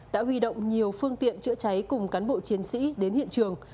đã huy động nhiều phương tiện chữa cháy cùng cán bộ chiến sĩ đến hiện trường